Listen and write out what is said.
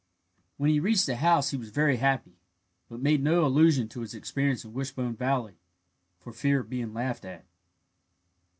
When he reached the house he was very happy, but made no allusion to his experience in Wishbone Valley, for fear of being laughed at.